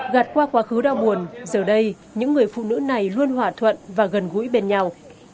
gạt qua quá khứ đau buồn giờ đây những người phụ nữ này luôn hòa thuận và gần gũi bên nhau